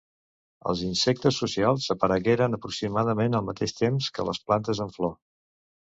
Els insectes socials aparegueren aproximadament al mateix temps que les plantes amb flor.